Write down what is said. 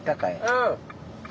うん。